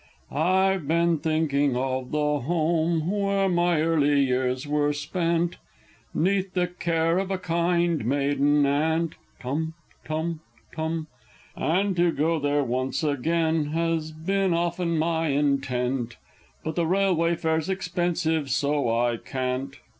_ I've been thinking of the home where my early years were spent, 'Neath the care of a kind maiden aunt, (Tum tum tum!) And to go there once again has been often my intent, But the railway fare's expensive, so I can't!